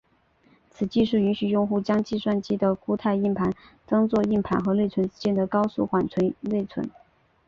此技术允许用户将计算机的固态硬盘当做硬盘和内存之间的高速缓存内存。